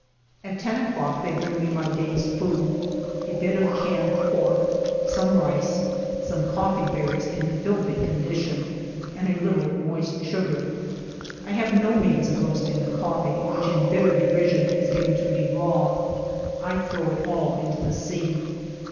At ten o'clock they bring me my day's food, — a bit of canned pork, some rice, some coffee ber ries in filthy condition, and a little moist sugar. I have no means of roasting the coffee, which in bitter derision is given to me raw. I throw it all into the sea.